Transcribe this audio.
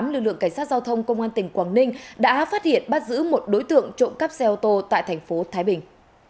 lực lượng cảnh sát giao thông công an tỉnh quảng ninh đã phát hiện bắt giữ một đối tượng trộm cắp xe ô tô tại thành phố thái bình